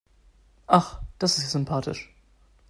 Ach, das ist ja sympathisch.